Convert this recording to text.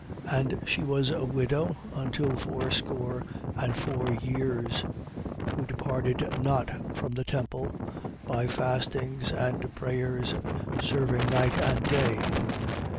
2:37. And she was a widow until fourscore and four years: who departed not from the temple, by fastings and prayers serving night and day.